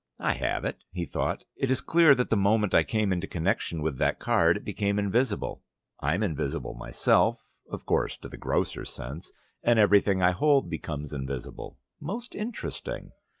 "I have it," he thought. "It is clear that the moment I came into connection with that card, it became invisible. I'm invisible myself (of course to the grosser sense), and everything I hold becomes invisible. Most interesting!